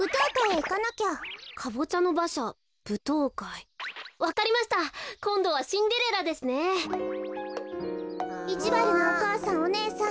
いじわるなおかあさんおねえさん